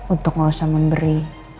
untuk gak usah memberi